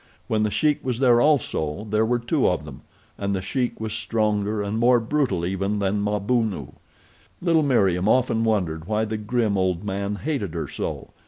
When The Sheik was there also there were two of them, and The Sheik was stronger and more brutal even than Mabunu. Little Meriem often wondered why the grim old man hated her so.